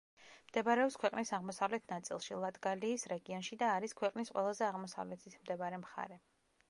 მდებარეობს ქვეყნის აღმოსავლეთ ნაწილში, ლატგალიის რეგიონში და არის ქვეყნის ყველაზე აღმოსავლეთით მდებარე მხარე.